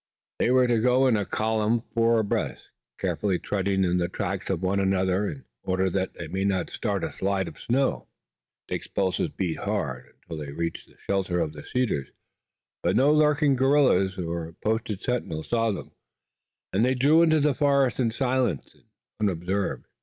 They were to go in a column four abreast, carefully treading in the tracks of one another, in order that they might not start a slide of snow. Dick's pulses beat hard, until they reached the shelter of the cedars, but no lurking guerrilla or posted sentinel saw them and they drew into the forest in silence and unobserved.